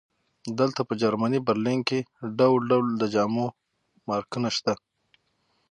دلته په جرمني برلین کې ډول ډول د جامو مارکونه شته